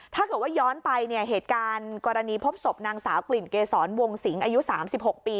ถ้าเกิดว่าย้อนไปเนี่ยเหตุการณ์กรณีพบศพนางสาวกลิ่นเกษรวงสิงอายุ๓๖ปี